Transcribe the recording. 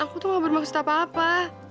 aku tuh gak bermaksud apa apa